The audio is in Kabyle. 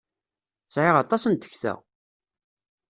Sɛiɣ aṭas n tekta!